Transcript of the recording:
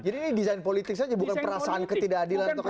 jadi ini design politik saja bukan perasaan ketidakadilan atau kecurangan